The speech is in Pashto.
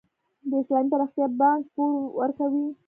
د اسلامي پراختیا بانک پور ورکوي؟